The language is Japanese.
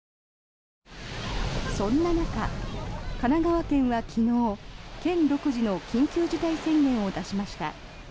そんな中、神奈川県は昨日県独自の緊急事態宣言を出しました。